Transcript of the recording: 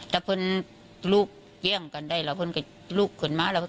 ถ้าเพื่อนลูกแย่งกันได้เราเพื่อนก็ลูกขึ้นมา